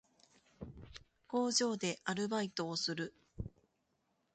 工場でアルバイトをする